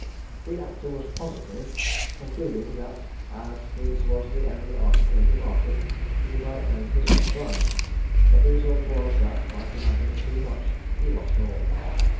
The actor was positive; concluding, that as his was the only article in the market, he might name his own price: but the result was, that by demanding too much, he lost all.